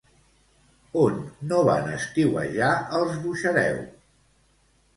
On no van estiuejar els Buxareu?